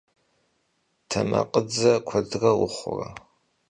Temakhıdze kuedre vuxhure?